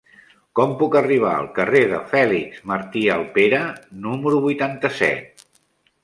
Com puc arribar al carrer de Fèlix Martí Alpera número vuitanta-set?